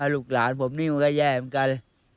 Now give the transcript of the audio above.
ลูกหลานผมนี่มันก็แย่เหมือนกัน